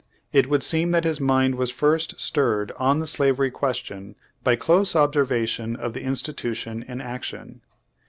It would seem that his mind was first stirred on the slavery question by close observation of the institution in action.